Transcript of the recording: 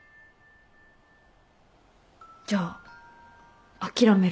じゃあ諦めるんだ。